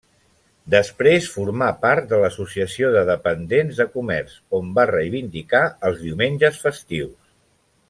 Després formà part de l'Associació de dependents de comerç on va reivindicar els diumenges festius.